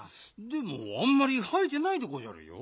でもあんまりはえてないでごじゃるよ。